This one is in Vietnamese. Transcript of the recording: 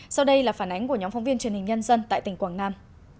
sau đây là phản ánh của nhóm phóng viên truyền hình nhân dân tại tỉnh quảng nam